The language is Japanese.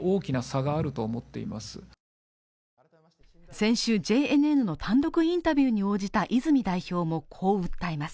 先週ＪＮＮの単独インタビューに応じた泉代表もこう訴えます